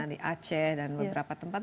di aceh dan beberapa tempat